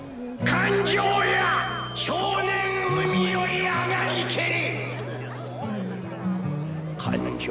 感情や少年海より上がりけり。